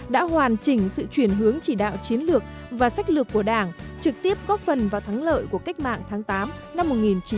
đã hoàn chỉnh sự chuyển hướng chỉ đạo chiến lược và sách lược của đảng trực tiếp góp phần vào thắng lợi của cách mạng tháng tám năm một nghìn chín trăm bốn mươi năm